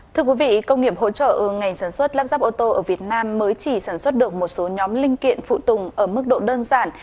thưa quý vị công nghiệp hỗ trợ ngành sản xuất lắp ráp ô tô ở việt nam mới chỉ sản xuất được một số nhóm linh kiện phụ tùng ở mức độ đơn giản